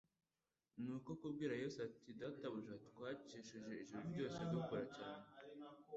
Niko kubwira Yesu ati: "Databuja, twakesheje ijoro ryose dukora cyane,